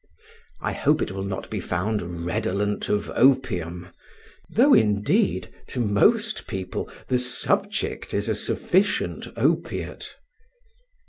I hope it will not be found redolent of opium; though, indeed, to most people the subject is a sufficient opiate.